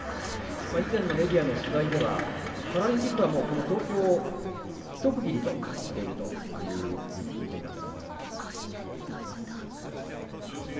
以前のメディアの取材ではパラリンピックはもうこの東京をひと区切りとしていると聞いています。